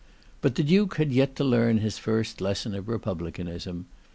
But the Duke had yet to learn his first lesson of republicanism.